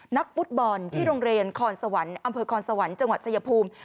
นักฟุตบอลที่โรงเรียนคอนสวรรค์อำเภอคอนสวรรค์จังหวัดชายภูมิ